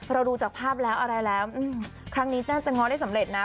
เราดูจากภาพแล้วอะไรแล้วครั้งนี้น่าจะง้อได้สำเร็จนะ